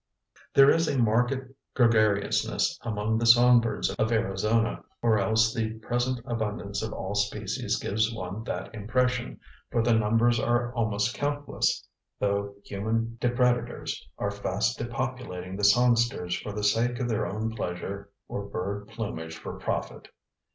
There is a marked gregariousness among the song birds of Arizona or else the present abundance of all species gives one that impression, for the numbers are almost countless, though human depredators are fast depopulating the songsters for the sake of their own pleasure or bird plumage for profit.